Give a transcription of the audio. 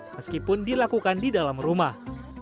meskipun dilakukan di dalam rumah